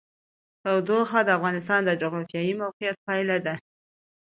تودوخه د افغانستان د جغرافیایي موقیعت پایله ده.